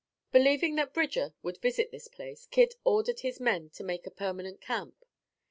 Believing that Bridger would visit this place, Kit ordered his men to make a permanent camp.